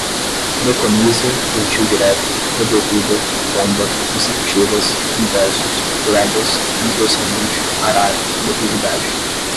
preconiza, plantio direto, revolvida, tomba, consecutivas, inversos, glebas, transversalmente, arar, declividade